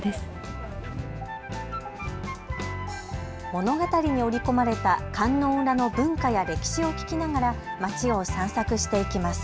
物語に織り込まれた観音裏の文化や歴史を聞きながら街を散策していきます。